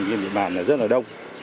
những địa bàn rất là đông